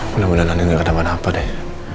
mudah mudahan andi gak ada mana mana apa deh